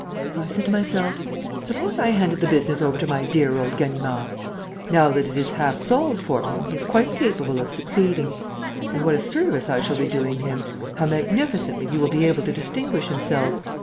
So I said to myself, 'Suppose I handed the business over to my dear old Ganimard? Now that it is half solved for him, he is quite capable of succeeding. And what a service I shall be doing him! How magnificently he will be able to distinguish himself!'